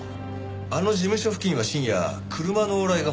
あの事務所付近は深夜車の往来がほとんどありません。